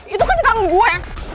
itu kan tanggung gue